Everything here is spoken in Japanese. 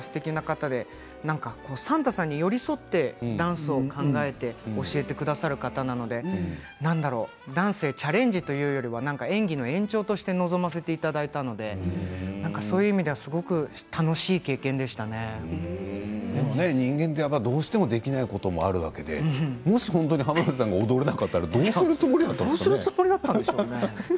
でも先生がすてきな方で算太さんに寄り添ってダンスを考えて教えてくださる方なのでチャレンジというよりは演技の延長として臨ませていただいたのでそういう意味では、すごく楽しい人間ってどうしてもできないこともあるわけでもし本当に濱田さんが踊れなかったら、どうするつもりだったんでしょうね。